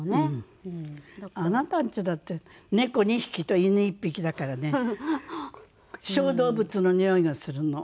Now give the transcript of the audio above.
あなたんちだって猫２匹と犬１匹だからね小動物のにおいがするの。